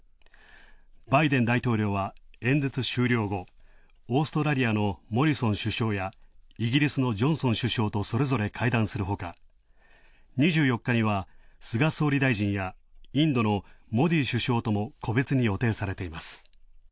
バイデン大統領は演説終了後、オーストラリアのモリソン首相や、イギリスのジョンソン首相とそれぞれ会談するほか２４日には菅総理大臣やインドのモディ首相とも個別に予定されています。